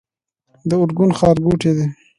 د ارګون ښارګوټی دی